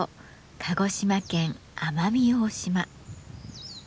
鹿児島県奄美大島。